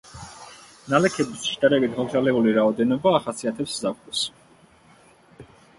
ნალექების შედარებით მოკრძალებული რაოდენობა ახასიათებს ზაფხულს.